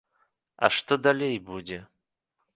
А што далей будзе?